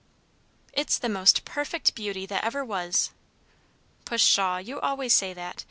"It's the most perfect beauty that ever was!" "Pshaw! you always say that.